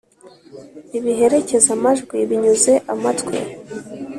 Ibiherekeza-majwi binyuze amatwi